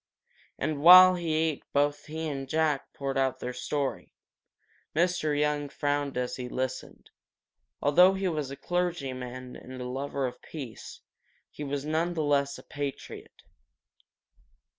And while he ate both he and Jack poured out their story. Mr. Young frowned as he listened. Although he was a clergyman and a lover of peace, he was none the less a patriot.